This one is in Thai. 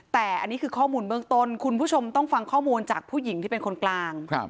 แต่อันนี้คือข้อมูลเบื้องต้นคุณผู้ชมต้องฟังข้อมูลจากผู้หญิงที่เป็นคนกลาง